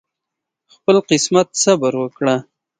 خپل قسمت صبر وکړه